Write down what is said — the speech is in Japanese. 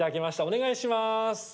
お願いします。